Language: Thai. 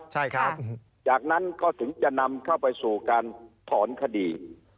ใช่ครับจากนั้นก็ถึงจะนำเข้าไปสู่การถอนคดี